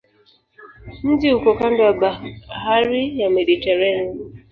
Mji uko kando ya bahari ya Mediteranea.